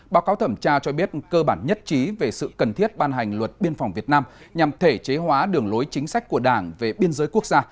báo cáo thẩm tra cho biết cơ bản nhất trí về sự cần thiết ban hành luật biên phòng việt nam nhằm thể chế hóa đường lối chính sách của đảng về biên giới quốc gia